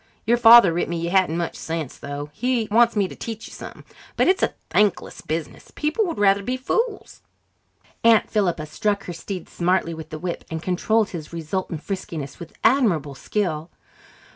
Your father writ me you hadn't much sense, though. He wants me to teach you some, but it's a thankless business. People would rather be fools." Aunt Philippa struck her steed smartly with the whip and controlled his resultant friskiness with admirable skill.